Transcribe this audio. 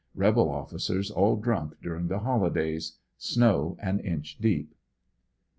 Rebel officers all drunk during the holidays. Snow an inch deep. Dec.